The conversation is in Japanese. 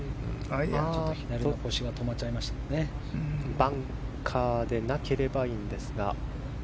バンカーでなければいいんですが。